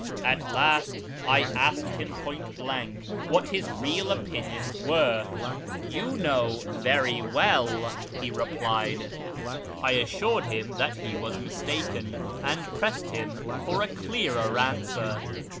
At last I asked him point blank what his real opinions were. " You know very well," he replied. sh/rAz 295 I assured him that he was mistaken, and pressed him for a clearer answer.